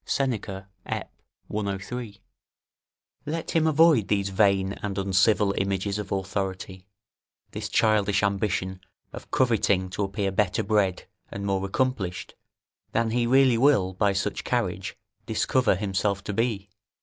Seneca, Ep., 103.] Let him avoid these vain and uncivil images of authority, this childish ambition of coveting to appear better bred and more accomplished, than he really will, by such carriage, discover himself to be.